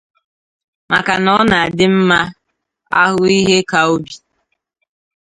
maka na ọ na-adị mma a hụ ihe ka ubi